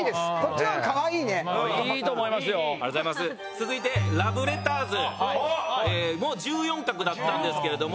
続いてラブレターズも１４画だったんですけれども。